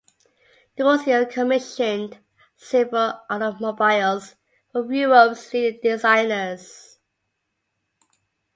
Dusio commissioned several automobiles from Europe's leading designers.